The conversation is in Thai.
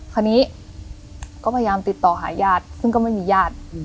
คราวนี้ก็พยายามติดต่อหาญาติซึ่งก็ไม่มีญาติ